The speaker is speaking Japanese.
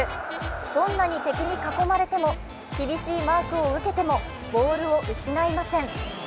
どんなに敵に囲まれても厳しいマークを受けてもボールを失いません。